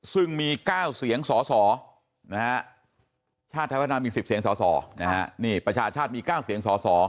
ซึ่งมี๙เสียงสสชาติชาติไทยพัฒนามี๑๐เสียงสสนี่ประชาชาติมี๙เสียงสส